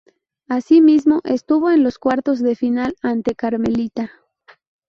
Asimismo, estuvo en los cuartos de final ante Carmelita.